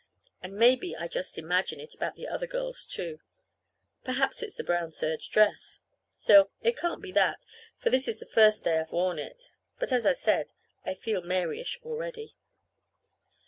And maybe I just imagine it about the other girls, too. Perhaps it's the brown serge dress. Still, it can't be that, for this is the first day I've worn it. But, as I said, I feel Maryish already.